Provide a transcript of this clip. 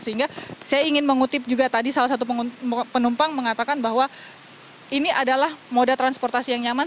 sehingga saya ingin mengutip juga tadi salah satu penumpang mengatakan bahwa ini adalah moda transportasi yang nyaman